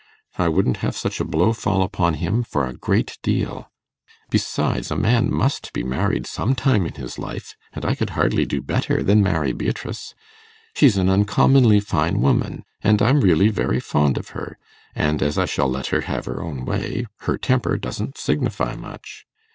I wouldn't have such a blow fall upon him for a great deal. Besides, a man must be married some time in his life, and I could hardly do better than marry Beatrice. She's an uncommonly fine woman, and I'm really very fond of her; and as I shall let her have her own way, her temper won't signify much.